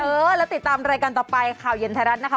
เออแล้วติดตามรายการต่อไปข่าวเย็นไทยรัฐนะคะ